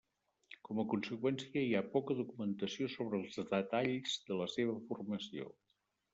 Com a conseqüència, hi ha poca documentació sobre els detalls de la seva formació.